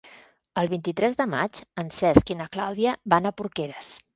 El vint-i-tres de maig en Cesc i na Clàudia van a Porqueres.